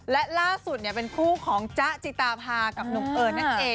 และล่าสุดเป็นคู่ของจ๊ะจิตาพากับหนุ่มเอิญนั่นเอง